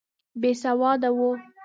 بېسواده وو.